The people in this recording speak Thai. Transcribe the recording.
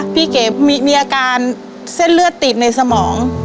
เก๋มีอาการเส้นเลือดติดในสมอง